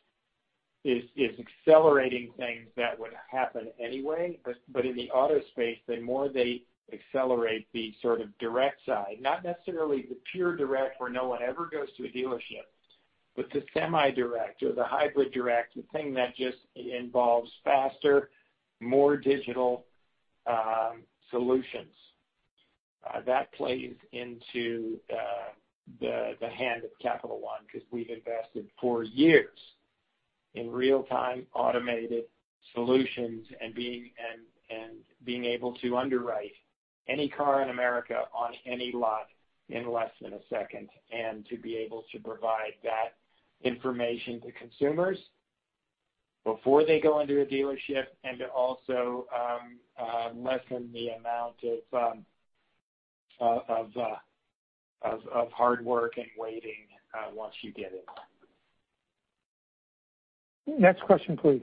is accelerating things that would happen anyway. In the auto space, the more they accelerate the sort of direct side, not necessarily the pure direct where no one ever goes to a dealership, but the semi-direct or the hybrid direct, the thing that just involves faster, more digital solutions. That plays into the hand of Capital One because we've invested for years in real-time automated solutions and being able to underwrite any car in America on any lot in less than a second, and to be able to provide that information to consumers before they go into a dealership and to also lessen the amount of hard work and waiting once you get in. Next question, please.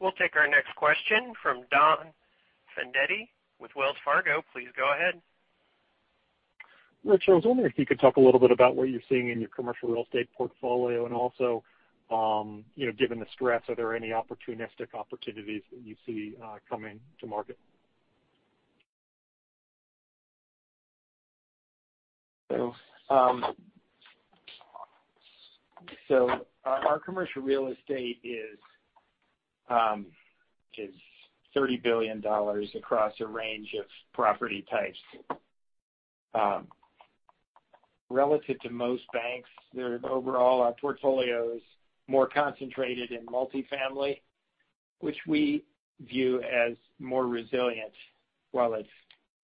We'll take our next question from Don Fandetti with Wells Fargo. Please go ahead. Rich, I was wondering if you could talk a little bit about what you're seeing in your commercial real estate portfolio, and also given the stress, are there any opportunistic opportunities that you see coming to market? Our commercial real estate is $30 billion across a range of property types. Relative to most banks, their overall portfolio is more concentrated in multifamily, which we view as more resilient, while it's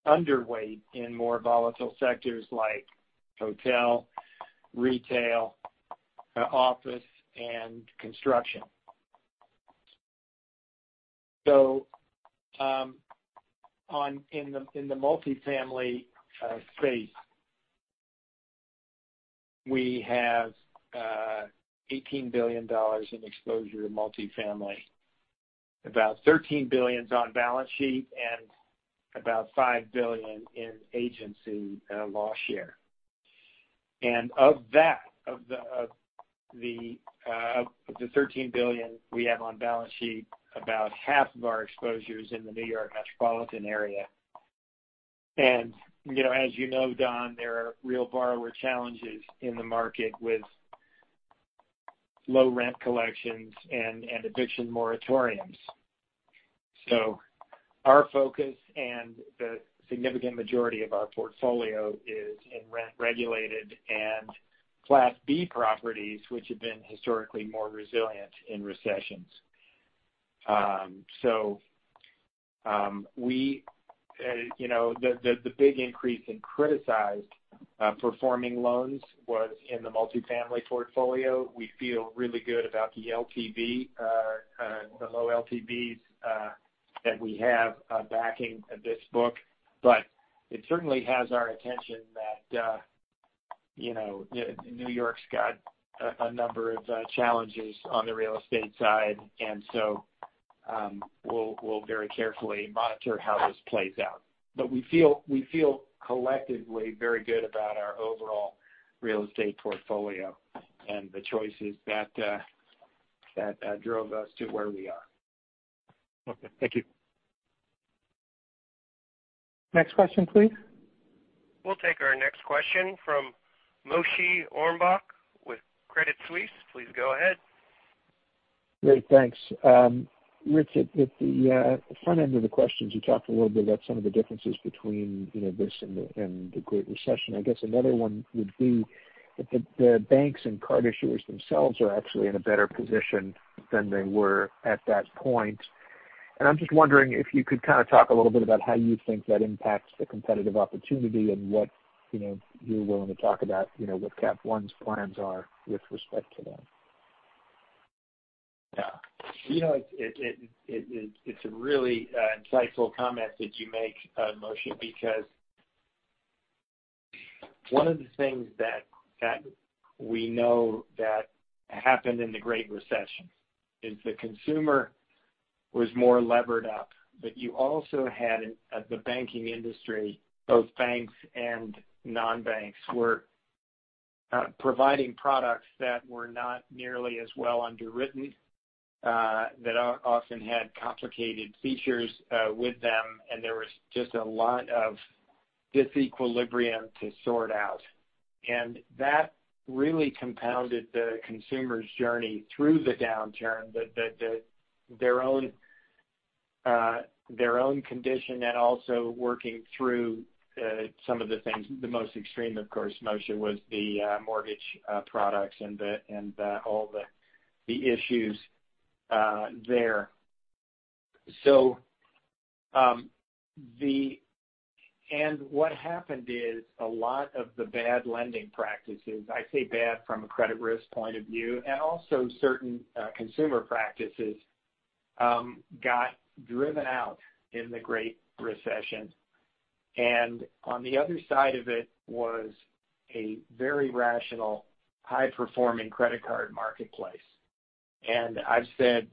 underweight in more volatile sectors like hotel, retail, office, and construction. In the multifamily space, we have $18 billion in exposure to multifamily. About $13 billion is on balance sheet and about $5 billion in agency loss share. Of that, of the $13 billion we have on balance sheet, about half of our exposure's in the New York metropolitan area. As you know, Don, there are real borrower challenges in the market with low rent collections and eviction moratoriums. Our focus and the significant majority of our portfolio is in rent-regulated and Class B properties, which have been historically more resilient in recessions. The big increase in criticized performing loans was in the multifamily portfolio. We feel really good about the low LTVs that we have backing this book. It certainly has our attention that New York's got a number of challenges on the real estate side. We'll very carefully monitor how this plays out. We feel collectively very good about our overall real estate portfolio and the choices that drove us to where we are. Okay. Thank you. Next question, please. We'll take our next question from Moshe Orenbuch with Credit Suisse. Please go ahead. Great. Thanks. Rich, at the front end of the questions, you talked a little bit about some of the differences between this and the Great Recession. I guess another one would be that the banks and card issuers themselves are actually in a better position than they were at that point. I'm just wondering if you could kind of talk a little bit about how you think that impacts the competitive opportunity and what you're willing to talk about, what Capital One's plans are with respect to that. Yeah. It's a really insightful comment that you make, Moshe, because one of the things that we know that happened in the Great Recession is the consumer was more levered up. You also had the banking industry, both banks and non-banks, were providing products that were not nearly as well underwritten, that often had complicated features with them, and there was just a lot of disequilibrium to sort out. That really compounded the consumer's journey through the downturn, their own condition, and also working through some of the things. The most extreme, of course, Moshe, was the mortgage products and all the issues there. What happened is a lot of the bad lending practices, I say bad from a credit risk point of view, and also certain consumer practices got driven out in the Great Recession. On the other side of it was a very rational, high-performing credit card marketplace. I've said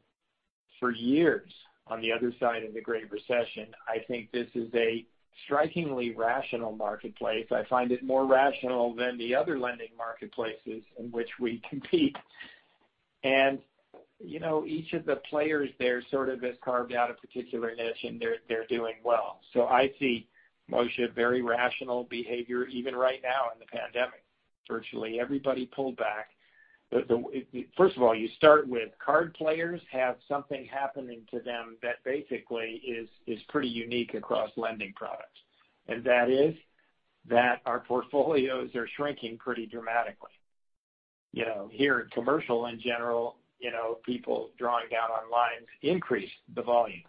for years, on the other side of the Great Recession, I think this is a strikingly rational marketplace. I find it more rational than the other lending marketplaces in which we compete. Each of the players there sort of has carved out a particular niche, and they're doing well. I see, Moshe, very rational behavior even right now in the pandemic. Virtually everybody pulled back. First of all, you start with card players have something happening to them that basically is pretty unique across lending products. That is that our portfolios are shrinking pretty dramatically. Here in commercial, in general, people drawing down on lines increase the volumes.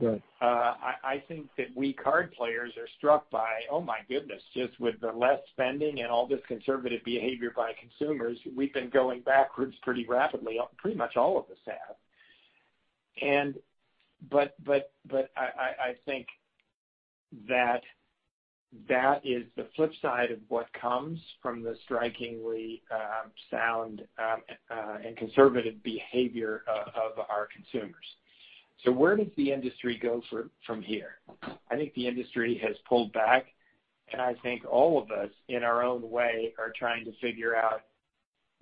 Right. I think that we card players are struck by, oh my goodness, just with the less spending and all this conservative behavior by consumers, we've been going backwards pretty rapidly. Pretty much all of us have. I think that is the flip side of what comes from the strikingly sound and conservative behavior of our consumers. Where does the industry go from here? I think the industry has pulled back, and I think all of us, in our own way, are trying to figure out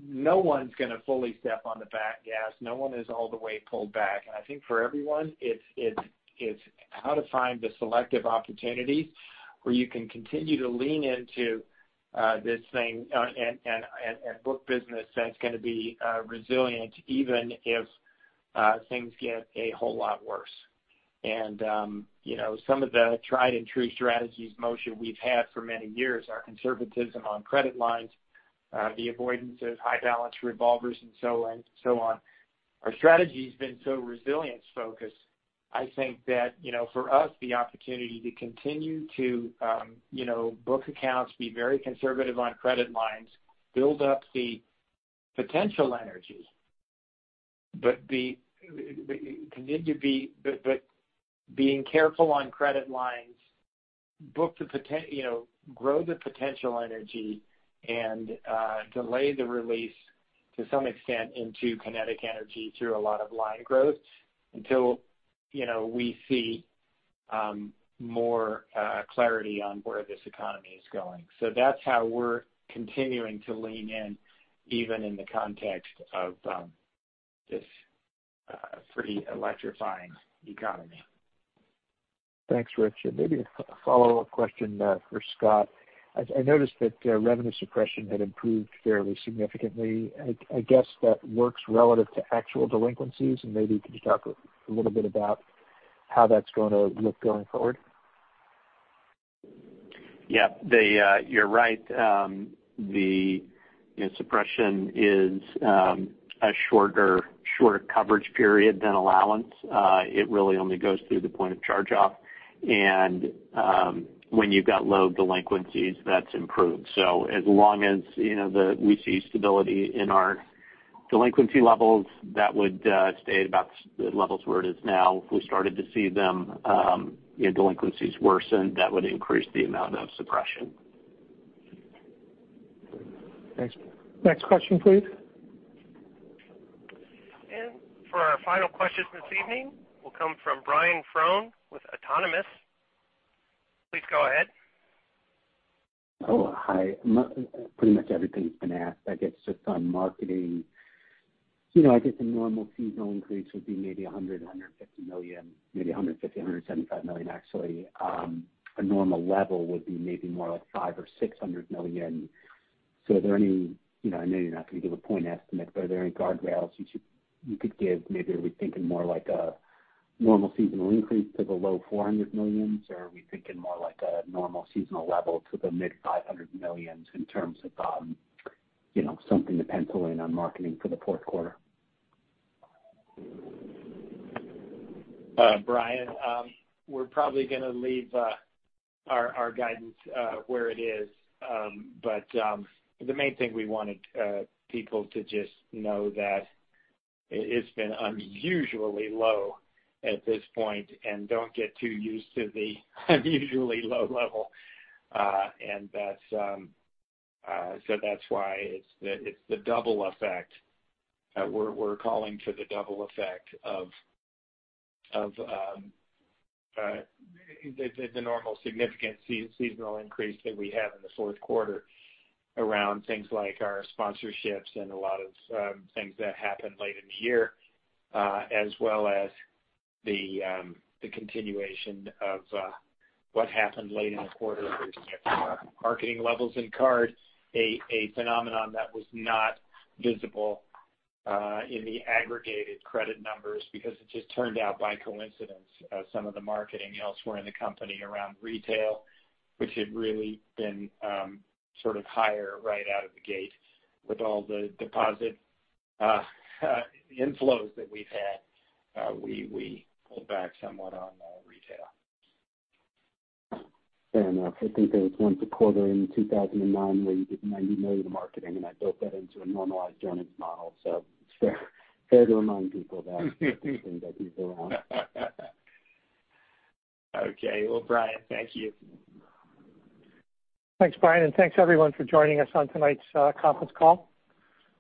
no one's going to fully step on the gas. No one is all the way pulled back. I think for everyone, it's how to find the selective opportunities where you can continue to lean into this thing and book business that's going to be resilient even if things get a whole lot worse. Some of the tried and true strategies, Moshe, we've had for many years, our conservatism on credit lines, the avoidance of high balance revolvers, and so on. Our strategy's been so resilience-focused. I think that for us, the opportunity to continue to book accounts, be very conservative on credit lines, build up the potential energy, but being careful on credit lines, grow the potential energy, and delay the release to some extent into kinetic energy through a lot of line growth until we see more clarity on where this economy is going. That's how we're continuing to lean in, even in the context of this pretty electrifying economy. Thanks, Rich. Maybe a follow-up question for Scott. I noticed that revenue suppression had improved fairly significantly. I guess that works relative to actual delinquencies, and maybe could you talk a little bit about how that's going to look going forward? Yeah. You're right. The suppression is a shorter coverage period than allowance. It really only goes through the point of charge-off. When you've got low delinquencies, that's improved. As long as we see stability in our delinquency levels, that would stay at about the levels where it is now. If we started to see delinquencies worsen, that would increase the amount of suppression. Thanks. Next question, please. For our final question this evening will come from Brian Foran with Autonomous. Please go ahead. Oh, hi. Pretty much everything's been asked. I guess just on marketing. I guess a normal seasonal increase would be maybe $100 million, $150 million, maybe $150 million, $175 million, actually. A normal level would be maybe more like $500 million or $600 million. I know you're not going to give a point estimate, but are there any guardrails you could give? Maybe are we thinking more like a normal seasonal increase to the low $400 million, or are we thinking more like a normal seasonal level to the mid $500 million in terms of something to pencil in on marketing for the fourth quarter? Brian, we're probably going to leave our guidance where it is. The main thing we wanted people to just know that it's been unusually low at this point and don't get too used to the unusually low level. That's why it's the double effect. We're calling for the double effect of the normal significant seasonal increase that we have in the fourth quarter around things like our sponsorships and a lot of things that happen late in the year as well as the continuation of what happened late in the quarter in terms of marketing levels in card, a phenomenon that was not visible in the aggregated credit numbers because it just turned out by coincidence, some of the marketing elsewhere in the company around retail, which had really been sort of higher right out of the gate with all the deposit inflows that we've had. We pulled back somewhat on retail. Fair enough. I think there was once a quarter in 2009 where you did $90 million of marketing. I built that into a normalized earnings model. It's fair to remind people of that. Things I think are wrong. Okay. Well, Brian, thank you. Thanks, Brian, thanks everyone for joining us on tonight's conference call. Thank you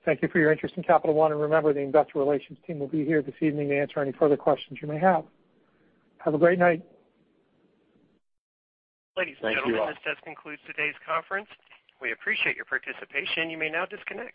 for your interest in Capital One. Remember, the investor relations team will be here this evening to answer any further questions you may have. Have a great night. Thank you all. Ladies and gentlemen, this does conclude today's conference. We appreciate your participation. You may now disconnect.